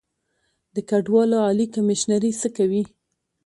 د کډوالو عالي کمیشنري څه کوي؟